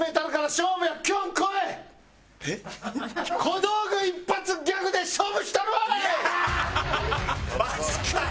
小道具一発ギャグで勝負したるわい！